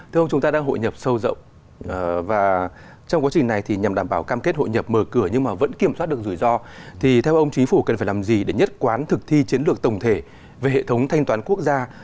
thưa ông chúng ta đang hội nhập sâu rộng và trong quá trình này thì nhằm đảm bảo cam kết hội nhập mở cửa nhưng mà vẫn kiểm soát được rủi ro thì theo ông chính phủ cần phải làm gì để nhất quán thực thi chiến lược tổng thể về hệ thống thanh toán quốc gia